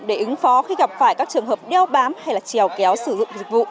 để ứng phó khi gặp phải các trường hợp đeo bám hay trèo kéo sử dụng dịch vụ